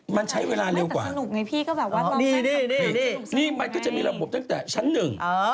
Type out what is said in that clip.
มันใช้เวลาเร็วกว่ามันก็จะมีระบบตั้งแต่ชั้นหนึ่ง